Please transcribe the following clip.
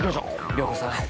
涼子さん